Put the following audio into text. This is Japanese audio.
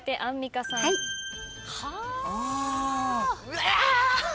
うわ！